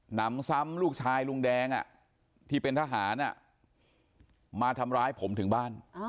นำซ้ำลูกชายลุงแดงที่เป็นทหารมาทำร้ายผมถึงบ้าน